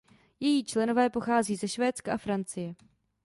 Její členové pochází ze Švédska a Francie.